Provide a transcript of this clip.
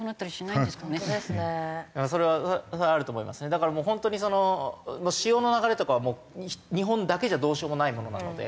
だから本当にその潮の流れとかは日本だけじゃどうしようもないものなので。